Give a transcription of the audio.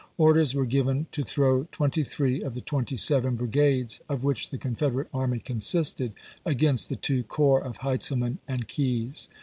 Orders were given to throw twenty three of the twenty seven brigades of which the Confederate army consisted, against the two corps of Heintzelman and Keyes.